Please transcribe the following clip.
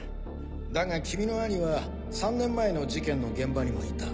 だが君の兄は３年前の事件の現場にもいた。